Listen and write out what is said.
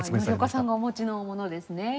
守岡さんがお持ちのものですね。